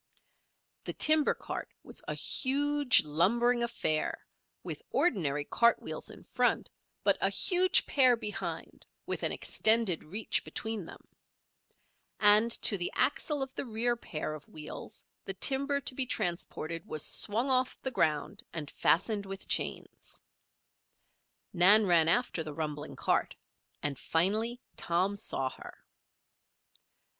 The timber cart was a huge, lumbering affair with ordinary cartwheels in front but a huge pair behind with an extended reach between them; and to the axle of the rear pair of wheels the timber to be transported was swung off the ground and fastened with chains. Nan ran after the rumbling cart and finally Tom saw her.